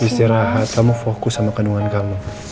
istirahat kamu fokus sama kandungan kamu